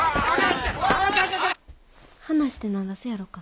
話て何だすやろか？